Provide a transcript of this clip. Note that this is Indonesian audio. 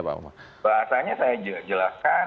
bahasanya saya jelaskan